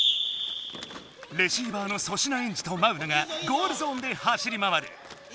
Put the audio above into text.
レシーバーの粗品エンジとマウナがゴールゾーンで走り回る。